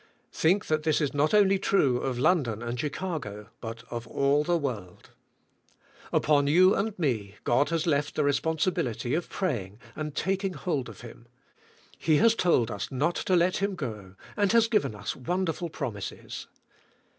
Think that this is not only true of London and Chicago, but of all the v/orld. Upon you and me God has left the responsibility of praying and taking hold of Him. He has told us not to let Him go and has given us wonderful promises.